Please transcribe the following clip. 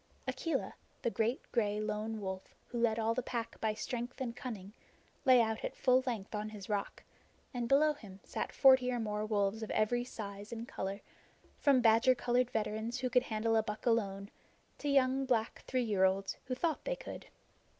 Akela, the great gray Lone Wolf, who led all the Pack by strength and cunning, lay out at full length on his rock, and below him sat forty or more wolves of every size and color, from badger colored veterans who could handle a buck alone to young black three year olds who thought they could.